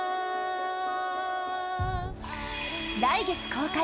来月公開